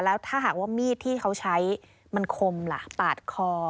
แล้วถ้าหากว่ามีดที่เขาใช้มันคมล่ะปาดคอ